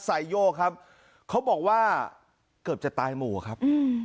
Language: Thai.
ชาติสายโยคครับเขาบอกว่าเกือบจะตายหมู่อ่ะครับ